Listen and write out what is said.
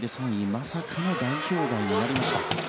まさかの代表外になりました。